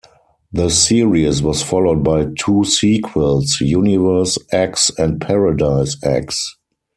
The series was followed by two sequels, Universe X and Paradise X.